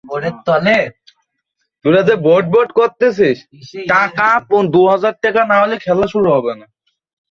আটক দুজনের কাছ থেকে তথ্য নিয়ে আরও অভিযান চালানোর পরিকল্পনা রয়েছে।